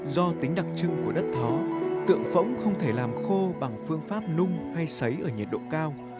do tính đặc trưng của đất thấu tượng phẫu không thể làm khô bằng phương pháp nung hay xấy ở nhiệt độ cao